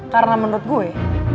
karena menurut gue